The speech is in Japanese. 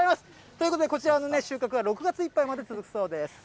ということで、こちらのね、収穫は６月いっぱいまで続くそうです。